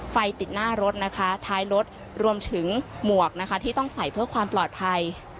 ไฟติดหน้ารถนะคะท้ายรถรวมถึงหมวกนะคะที่ต้องใส่เพื่อความปลอดภัย